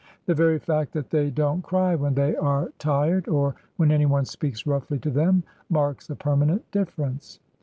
The very fact that they don't cry when they are tired or when anyone speaks roughly to them marks a permanent difference.